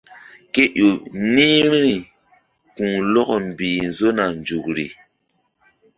Ke ƴo ni̧h vbi̧ri ku̧lɔkɔ mbih nzona nzukri.